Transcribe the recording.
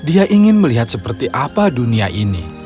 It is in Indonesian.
dia ingin melihat seperti apa dunia ini